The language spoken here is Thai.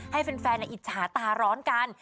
ให้แฟนอิจฉาตาร้อนกัน